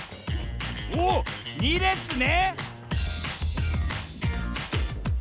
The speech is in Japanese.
おっ２れつね！